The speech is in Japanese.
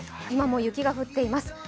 今も雪が降っています。